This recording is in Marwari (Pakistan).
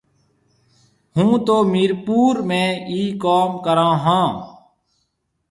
هُون تو ميرپور ۾ ئي ڪوم ڪرون هون۔